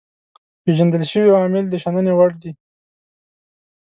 پيژندل شوي عوامل د شنني وړ دي.